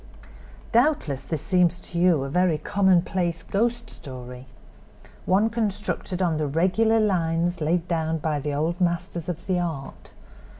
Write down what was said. "Doubtless this seems to you a very commonplace 'ghost story'—one constructed on the regular lines laid down by the old masters of the art.